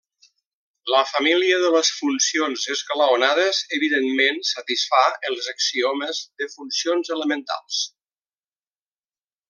La família de les funcions esglaonades evidentment satisfà els axiomes de funcions elementals.